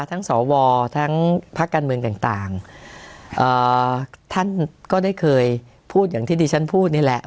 ทั้งสวทางภาคการเมืองต่างท่านก็ได้เคยพูดอย่างที่ดิฉันพูดนี่แหละ